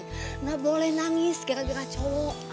tidak boleh nangis gara gara cowok